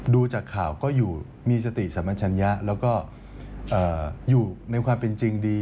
ดูจากข่าวก็อยู่มีสติสัมชัญญะแล้วก็อยู่ในความเป็นจริงดี